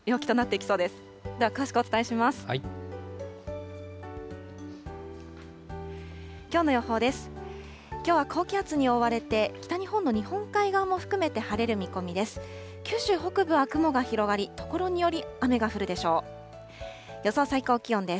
きょうは高気圧に覆われて、北日本の日本海側も含めて晴れる見込みです。